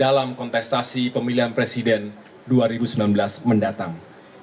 dalam kontestasi pemilihan presiden dua ribu sembilan belas mendatang